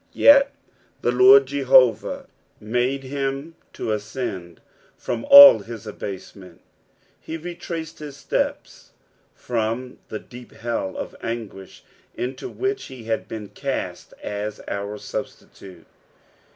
Yet the Lord Jehovah made him to ascend from all his abasement; he retraced his steps from that deep hell of anguish into which he had been cast as our substitute.